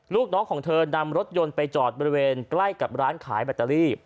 ลูกน้องของเธอนำรถยนต์ไปจอดบริเวณใกล้กับร้านขายแบตเตอรี่